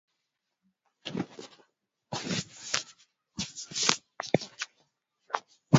Mkulima anweza kulima viazi lishe hata msimu wa mvua chache